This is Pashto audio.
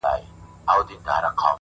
• او ته خبر د کوم غریب د کور له حاله یې،